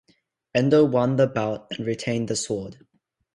Endo won the bout and retained the sword.